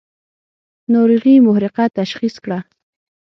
ناروغي محرقه تشخیص کړه.